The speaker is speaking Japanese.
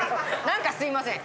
何かすいません。